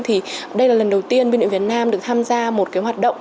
thì đây là lần đầu tiên biêu điện việt nam được tham gia một hoạt động